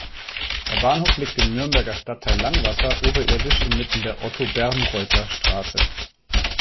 Der Bahnhof liegt im Nürnberger Stadtteil Langwasser oberirdisch inmitten der Otto-Bärnreuther-Straße.